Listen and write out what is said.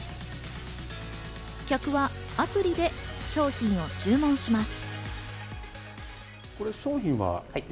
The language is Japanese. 客はアプリで商品を注文します。